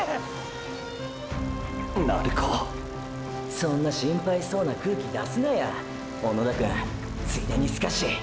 そんな心配そうな空気出すなや小野田くんついでにスカシ。